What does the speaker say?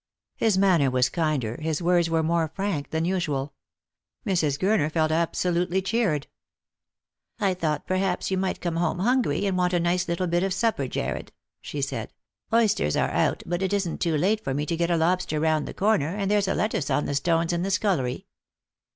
His manner was kinder, his words were more frank, than usual. Mrs. Gurner felt absolutely cheered. " I thought perhaps you might come home hungry, and want a nice little bit of supper, Jarred," she said. " Oysters are out, but it isn't too late for me to get a lobster round the corner, and there's a lettuce on the stones in the scullery."